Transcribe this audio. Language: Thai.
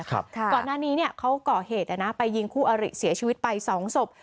ก่อนหน้านี้เขาก่อเหตุไปยิงคู่อริเสียชีวิตไป๒ศพ